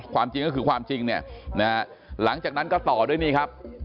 ความจริงก็คือความจริงเนี่ยนะฮะหลังจากนั้นก็ต่อด้วยนี่ครับ